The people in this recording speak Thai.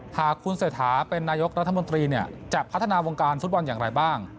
หากคุณเศรษฐาเป็นนายกรัฐมนตรีจะพัฒนาวงการฟุตบอลอย่างไรบ้าง